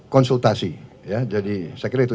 konsultasi ya jadi saya kira itu